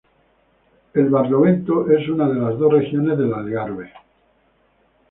El Barlovento es una de las dos regiones del Algarve.